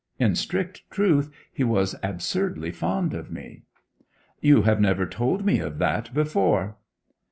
In strict truth, he was absurdly fond of me.' 'You have never told me of that before.'